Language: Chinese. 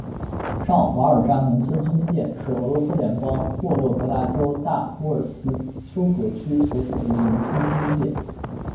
上瓦尔扎农村居民点是俄罗斯联邦沃洛格达州大乌斯秋格区所属的一个农村居民点。